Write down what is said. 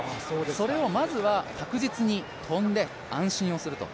それをまずは確実に跳んで安心をすると。